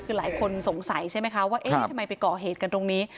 คือหลายคนสงสัยใช่ไหมคะว่าเอ๊ะทำไมไปก่อเหตุกันตรงนี้